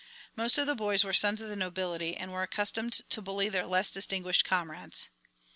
Most of the boys were sons of the nobility and were accustomed to bully their less distinguished comrades.